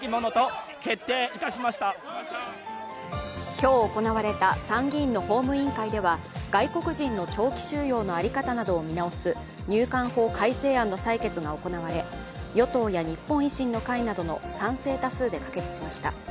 今日行われた参議院の法務委員会では外国人の長期収容の在り方などを見直す入管法改正案の採決が行われ、与党や日本維新の会などの賛成多数で可決しました。